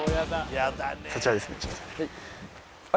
そちらですね。